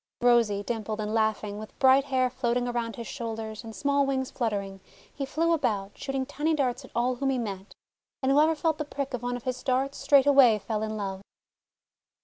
Rosy, dimpled, and laughing, with bright hair floating around his shoulders, and small wings fluttering, he flew about, shooting tiny darts at all whom he met. And whoever felt the prick of one of his darts straightway fell in love.